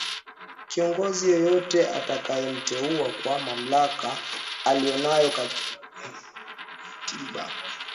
Kiongozi yoyote atakayemteua kwa mamlaka aliyonayo kikatiba atamuwajibisha